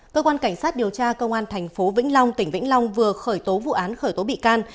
cơ quan cảnh sát điều tra công an tp vĩnh long tỉnh vĩnh long vừa khởi tố vụ án khởi tố bị can